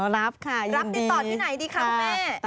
รับค่ะยินดีรับติดต่อที่ไหนดีครับแม่